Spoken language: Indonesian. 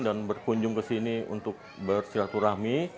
dan berkunjung ke sini untuk bersilaturahmi